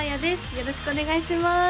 よろしくお願いします